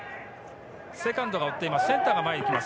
セカンドが追っています。